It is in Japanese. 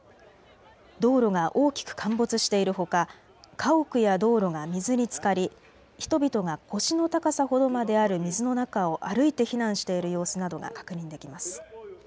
道路が大きく陥没しているほか家屋や道路が水につかり人々が腰の高さほどまである水の中を歩いて避難している様子などが確認できます。